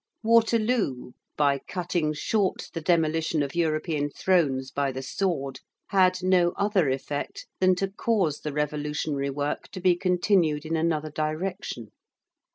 Waterloo, by cutting short the demolition of European thrones by the sword, had no other effect than to cause the revolutionary work to be continued in another direction.